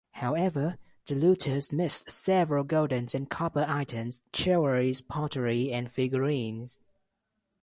However, the looters missed several golden and copper items, jewellery, pottery, and figurines.